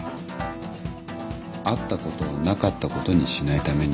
あったことをなかったことにしないために。